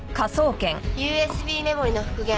ＵＳＢメモリの復元